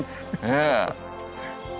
ええ。